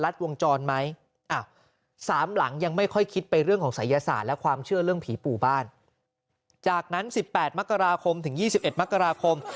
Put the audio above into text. ที่ปู่บ้านจากนั้น๑๘มกราคมถึง๒๑มกราคม